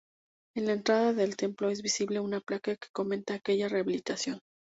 En la entrada del templo, es visible una placa que comenta aquella rehabilitación.